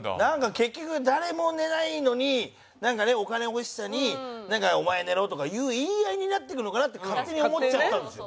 結局誰も寝ないのになんかねお金欲しさに「お前寝ろ！」とか言う言い合いになってくのかなって勝手に思っちゃったんですよ。